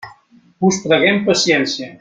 Us preguem paciència.